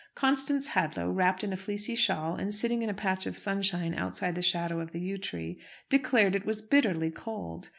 Constance Hadlow, wrapped in a fleecy shawl, and sitting in a patch of sunshine outside the shadow of the yew tree, declared it was "bitterly cold."